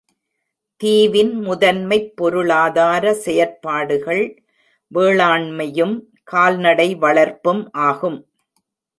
தீவின் முதன்மைப் பொருளாதார செயற்பாடுகள் வேளாண்மையும் கால்நடை வளர்ப்பும் ஆகும்.